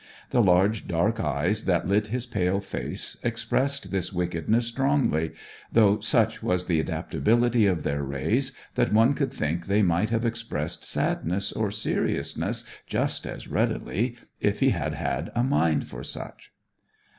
The large dark eyes that lit his pale face expressed this wickedness strongly, though such was the adaptability of their rays that one could think they might have expressed sadness or seriousness just as readily, if he had had a mind for such.